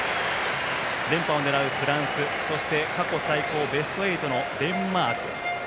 連覇を狙うフランスそして、過去最高はベスト８のデンマーク。